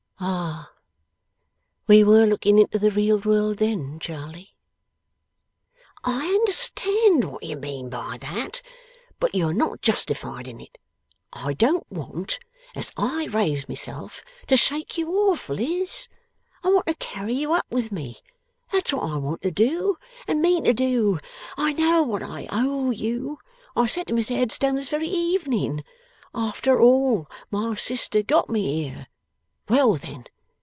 'Ah, we were looking into the real world then, Charley!' 'I understand what you mean by that, but you are not justified in it. I don't want, as I raise myself to shake you off, Liz. I want to carry you up with me. That's what I want to do, and mean to do. I know what I owe you. I said to Mr Headstone this very evening, "After all, my sister got me here." Well, then.